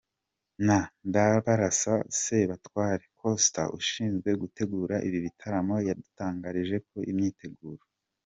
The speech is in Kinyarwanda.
na Ndabarasa Sebatware Costa ushinzwe gutegura ibi bitaramo, yadutangarije ko imyiteguro.